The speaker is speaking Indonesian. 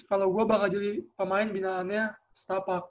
kalau gue bakal jadi pemain binaannya setapak